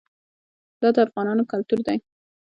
دا د افغانانو کلتور دی.